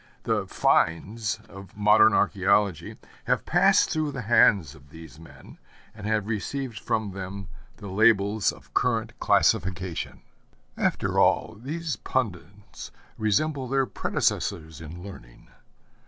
The 'finds' of modern archæology have passed through the hands of these men, and have received from them the labels of current classification. After all, these pundits resemble their predecessors in learning.